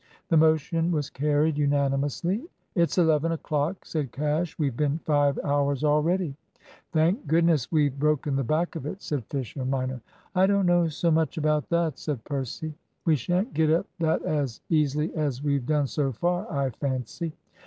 The motion was carried unanimously. "It's eleven o'clock," said Cash. "We've been five hours already." "Thank goodness we've broken the back of it," said Fisher minor. "I don't know so much about that," said Percy. "We shan't get up that as easily as we've done so far, I fancy."